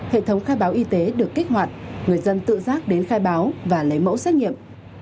hệ thống khai báo y tế được kích hoạt người dân tự giác đến khai báo và lấy mẫu xét nghiệm